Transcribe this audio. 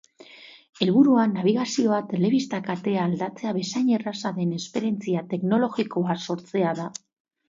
Helburua nabigazioa telebista katea aldatzea bezain erraza den esperientzia teknologikoa sortzea da.